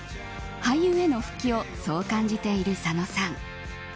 俳優への復帰をそう感じている佐野さん。